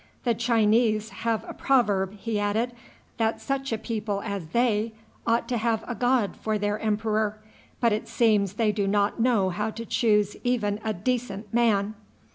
"The Chinese have a proverb," he added, "that such a people as they ought to have a god for their emperor; but it seems they do not know how to choose even a decent man."